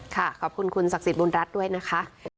ขอบคุณคุณศักดิ์สิทธิบุญรัฐด้วยนะคะ